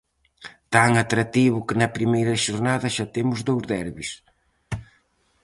Tan atractivo que na primeira xornada xa temos dous derbis.